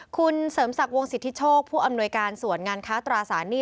คุณเสริมศักดิ์วงสิทธิโชคผู้อำนวยการส่วนงานค้าตราสารหนี้